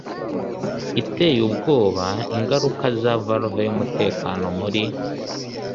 iteye ubwoba ingaruka za valve yumutekano muri